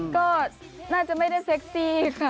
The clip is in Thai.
ก็น่าจะไม่ได้เซ็กซี่ค่ะ